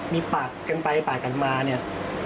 มีปากกันไปปากกันมาเนี่ย